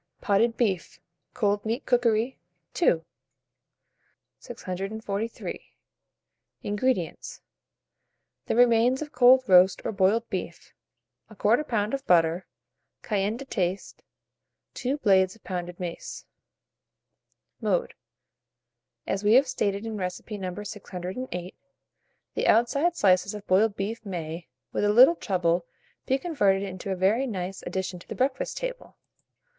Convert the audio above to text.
POTTED BEEF (Cold Meat Cookery). II. 643. INGREDIENTS. The remains of cold roast or boiled beef, 1/4 lb. of butter, cayenne to taste, 2 blades of pounded mace. Mode. As we have stated in recipe No. 608, the outside slices of boiled beef may, with a little trouble, be converted into a very nice addition to the breakfast table.